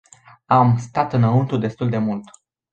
Am stat înăuntru destul de mult.